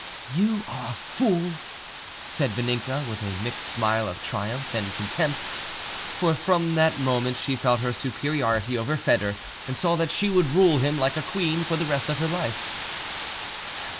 "You are a fool," said Vaninka, with a mixed smile of triumph and contempt; for from that moment she felt her superiority over Foedor, and saw that she would rule him like a queen for the rest of her life.